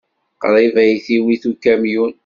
Qrib ay t-iwit ukamyun.